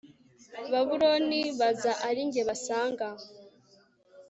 babuloni baza ari jye basanga